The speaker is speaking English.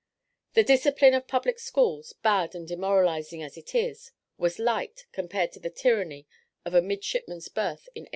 The discipline of public schools, bad and demoralizing as it is, was light, compared to the tyranny of a midshipman's berth in 1802.